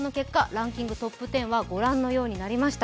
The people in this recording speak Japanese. ランキングトップ１０はご覧のようになりました。